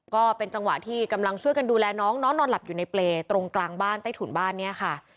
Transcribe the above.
ก็เป็นจังหวะที่กำลังช่วยกันดูแลน้องน้องนอนหลับอยู่ในเปรย์ตรงกลางบ้านใต้ถุนบ้านเนี่ยค่ะ